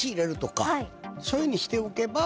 そういうふうにしておけば？